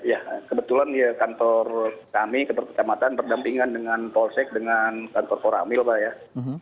ya kebetulan ya kantor kami ketua kecamatan berdampingan dengan polsek dengan kantor kantor amil pak